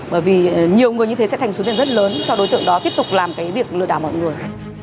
bởi vì nhiều người như thế sẽ thành số tiền rất lớn cho đối tượng đó tiếp tục làm việc lừa đảo mọi người